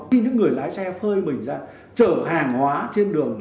khi những người lái xe phơi mình ra chở hàng hóa trên đường